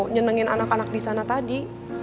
nyenengin anak anak di sana tadi